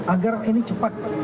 agar ini cepat